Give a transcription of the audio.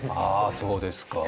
そうですか